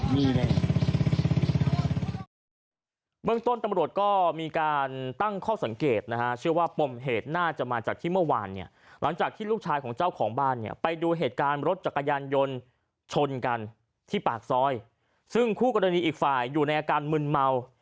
เบื้องต้นตำรวจก็มีการตั้งข้อสังเกตนะฮะเชื่อว่าปมเหตุน่าจะมาจากที่เมื่อวานเนี่ยหลังจากที่ลูกชายของเจ้าของบ้านเนี่ยไปดูเหตุการณ์รถจักรยานยนต์ชนกันที่ปากซอยซึ่งคู่กรณีอีกฝ่ายอยู่ในอาการมึนเมา